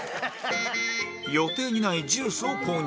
予定にないジュースを購入